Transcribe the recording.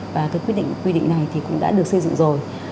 và cái quy định này thì cũng đã được xây dựng rồi